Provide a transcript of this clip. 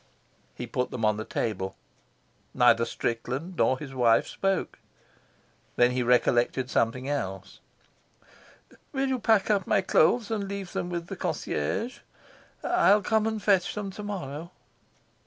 He put them on the table. Neither Strickland nor his wife spoke. Then he recollected something else. "Will you pack up my clothes and leave them with the concierge? I'll come and fetch them to morrow."